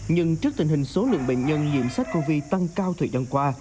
nhưng trước tình hình số lượng bệnh nhân diễn sách covid tăng cao thời gian qua